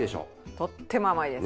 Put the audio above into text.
とっても甘いです。